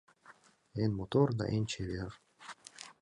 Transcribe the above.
Эн мотор да эн чевер».